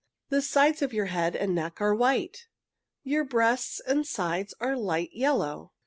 The sides of your head and neck are white. Your breasts and sides are light yellow.